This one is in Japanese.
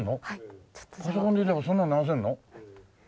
パソコンででもそんなの流せるの？